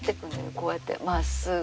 こうやってまっすぐ。